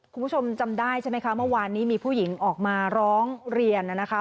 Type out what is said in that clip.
คุณผู้ชมจำได้ใช่ไหมคะเมื่อวานนี้มีผู้หญิงออกมาร้องเรียนนะคะ